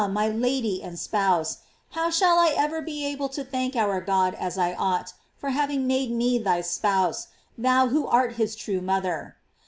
my Lady and spouse^ how shall I ever be able to thank our God as I ought for having made me thy spouse, thou who art his true mother?